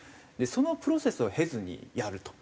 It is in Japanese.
そのプロセスを経ずにやると。